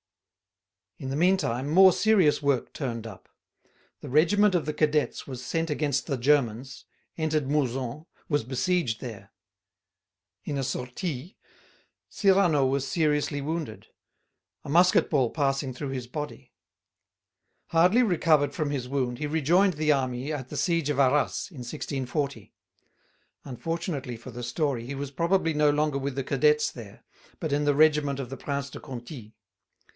In the meantime, more serious work turned up. The regiment of the cadets was sent against the Germans, entered Mouzon, was besieged there. In a sortie, Cyrano was seriously wounded, a musket ball passing through his body. Hardly recovered from his wound, he rejoined the army at the siege of Arras, in 1640; unfortunately for the story, he was probably no longer with the cadets there, but in the regiment of the Prince de Conti.